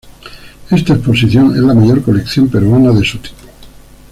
Esta exposición es la mayor colección peruana de su tipo.